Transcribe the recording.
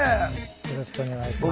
よろしくお願いします。